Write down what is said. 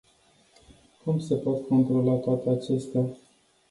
Cum se pot controla toate acestea?